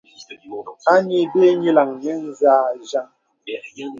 Ayi bə īī nyilaŋ nyə̄ nzâ jaŋ.